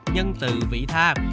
nhân tự vị tha